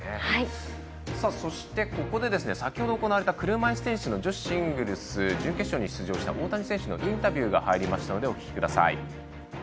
ここで、先ほど行われた車いすテニスの女子シングルス準決勝に進出した大谷選手のインタビューをお聞きください。